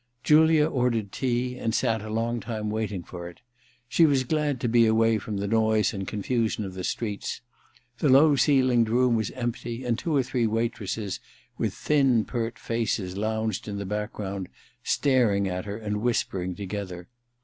Julia ordered tea, and sat a long time waiting for it. She was glad to be away from the noise and confusion of the streets. The low ceilinged room was empty, and two or three waitresses with thin pert faces lounged in the background staring at her and whispering together.